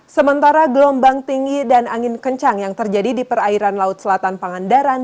sementara gelombang tinggi dan angin kencang yang terjadi di perairan laut selatan pangandaran